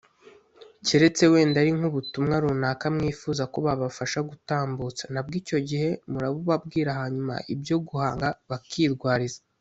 keretse wenda ari nk'ubutumwa runaka mwifuza ko babafasha gutambutsa nabwo icyo gihe murabubabwira hanyuma ibyo guhanga bakirwariza